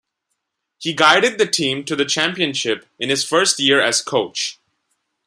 He guided the team to the championship in his first year as coach.